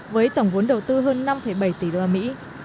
với tổng vốn đầu tư hơn năm bảy tỷ đô la mỹ